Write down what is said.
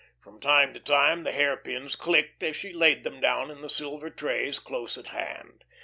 From time to time the hairpins clicked as she laid them down in the silver trays close at hand.